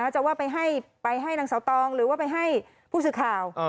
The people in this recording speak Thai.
จะว่าไปให้นางเสาตองหรือว่าไปให้ผู้สื่อข่าว